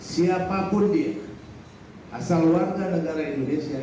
siapapun dia asal warga negara indonesia